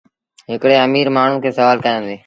هڪڙي اميٚر مآڻهوٚٚݩ کي سوآل ڪيآݩديٚ